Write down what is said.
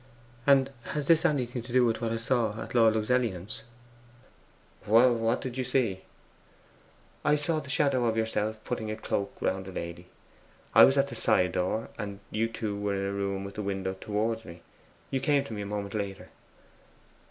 And has this anything to do with what I saw at Lord Luxellian's?' 'What did you see?' 'I saw the shadow of yourself putting a cloak round a lady. I was at the side door; you two were in a room with the window towards me. You came to me a moment later.